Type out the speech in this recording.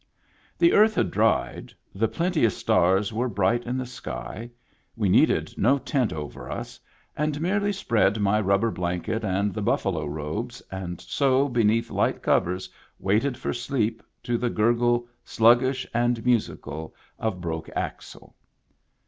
The earth had dried, the plenteous stars were bright in the sky, we needed no tent over us, and merely spread my rubber blanket and the buffalo robes, and so beneath light covers waited for sleep to the gurgle, sluggish and musical, of Broke Axle.